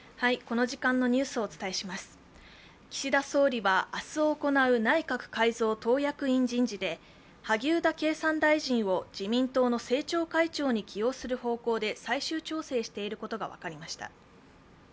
岸田総理は明日行う内閣改造・党役員人事で萩生田経産大臣を自民党の政調会長に起用する方向で最終調整していることが分かりました。